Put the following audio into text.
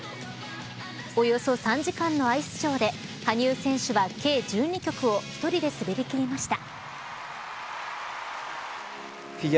およそ３時間のアイスショーで羽生選手は計１２曲を１人で滑りきりました。